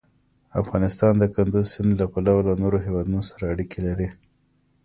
افغانستان د کندز سیند له پلوه له نورو هېوادونو سره اړیکې لري.